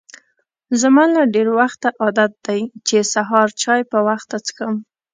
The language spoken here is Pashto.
زما له ډېر وخته عادت دی چې سهار چای په وخته څښم.